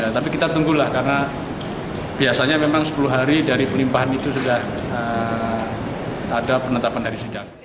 tapi kita tunggulah karena biasanya memang sepuluh hari dari pelimpahan itu sudah ada penetapan dari sidang